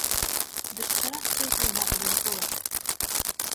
Дышцара дцеит уи наҟ дынкылаӡ.